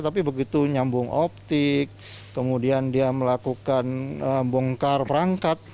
tapi begitu nyambung optik kemudian dia melakukan bongkar perangkat